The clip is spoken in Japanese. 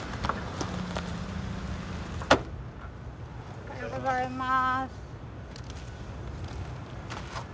おはようございます。